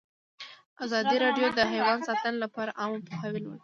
ازادي راډیو د حیوان ساتنه لپاره عامه پوهاوي لوړ کړی.